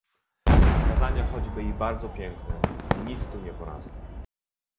"Kazania choćby i bardzo piękne, nic tu nie poradzą."